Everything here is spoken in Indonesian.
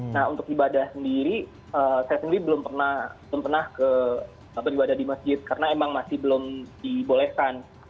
nah untuk ibadah sendiri saya sendiri belum pernah beribadah di masjid karena emang masih belum dibolehkan